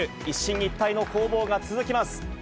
一進一退の攻防が続きます。